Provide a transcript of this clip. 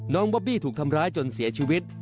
บอบบี้ถูกทำร้ายจนเสียชีวิต